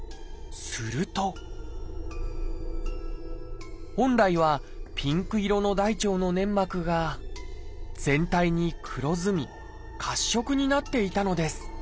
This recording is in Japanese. すると本来はピンク色の大腸の粘膜が全体に黒ずみ褐色になっていたのです。